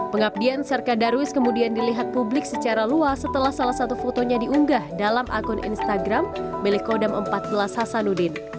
pengabdian serka darwis kemudian dilihat publik secara luas setelah salah satu fotonya diunggah dalam akun instagram milik kodam empat belas hasanuddin